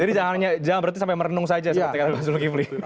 jadi jangan berarti sampai merenung saja seperti yang ada di basul kivli